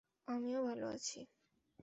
আমিও ভাল আছি।